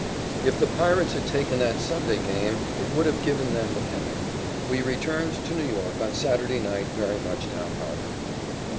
If the Pirates had taken that Sunday game, it would have given them the pennant. We returned to New York on Saturday night very much downhearted.